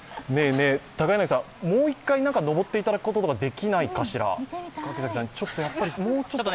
高柳さん、もう一回、登っていただくことはできないでしょうか？